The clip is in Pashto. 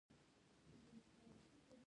چې تاریخ او برخلیک مو شریک دی.